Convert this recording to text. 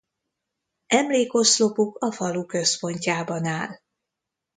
Emlékoszlopuk a falu központjában áll.